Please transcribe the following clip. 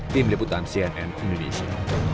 tim liputan cnn indonesia